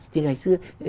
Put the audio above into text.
thì ngày xưa